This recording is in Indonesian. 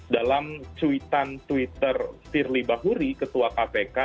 dalam cuitan twitter firly bahuri ketua kpk